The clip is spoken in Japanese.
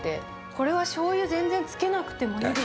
これはしょうゆ、全然つけなくても、いいですね。